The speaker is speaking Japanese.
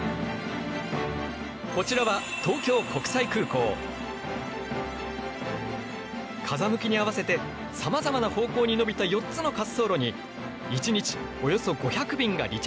こちらは風向きに合わせてさまざまな方向に延びた４つの滑走路に一日およそ５００便が離着陸している。